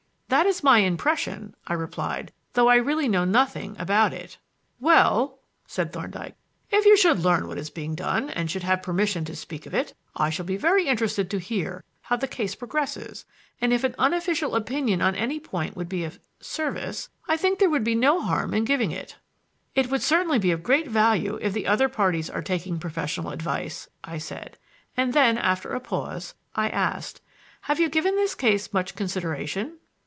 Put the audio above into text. "That is my impression," I replied, "though I really know nothing about it." "Well," said Thorndyke, "if you should learn what is being done and should have permission to speak of it, I shall be very interested to hear how the case progresses and if an unofficial opinion on any point would be of service, I think there would be no harm in giving it." "It would certainly be of great value if the other parties are taking professional advice," I said; and then, after a pause, I asked: "Have you given this case much consideration?"